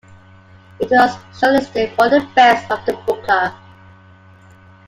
It was shortlisted for The Best of the Booker.